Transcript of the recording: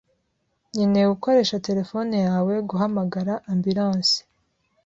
Nkeneye gukoresha terefone yawe guhamagara ambulance.